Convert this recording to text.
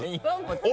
「お」